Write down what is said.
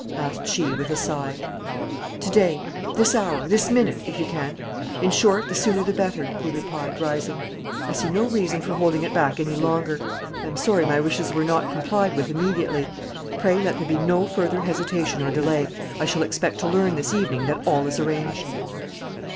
asked she, with a sigh. "Today this hour this minute, if you can; in short the sooner the better," he replied, rising. "I see no reason for holding it back any longer. I am sorry my wishes were not complied with immediately. Pray, let there be no further hesitation or delay. I shall expect to learn this evening that all is arranged."